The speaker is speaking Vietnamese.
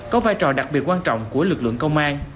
có vai trò đặc biệt quan trọng của lực lượng công an